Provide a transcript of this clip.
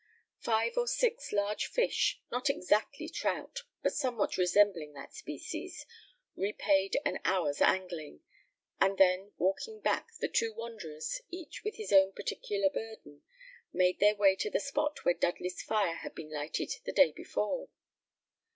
Five or six large fish, not exactly trout, but somewhat resembling that species, repaid an hour's angling; and then walking back, the two wanderers, each with his own particular burden, made their way to the spot where Dudley's fire had been lighted the day before.